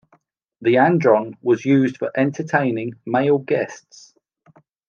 The andron was used for entertaining male guests.